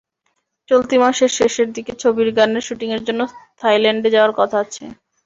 চলতি মাসের শেষের দিকে ছবির গানের শুটিংয়ের জন্য থাইল্যান্ডে যাওয়ার কথা আছে।